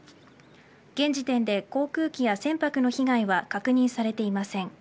現時点で航空機や船舶の被害は確認されていません。